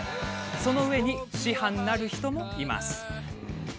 その上に師範なる人もいます。